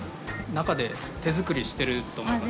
中で手作りしてると思います。